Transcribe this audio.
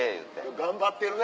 「頑張ってるな」